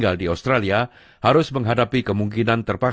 saya belajar di sekolah utama sekolah tinggi